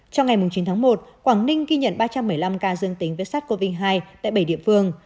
trong ngày chín tháng một quảng ninh ghi nhận ba trăm một mươi năm ca dương tính viết sát covid một mươi chín tại bảy địa phương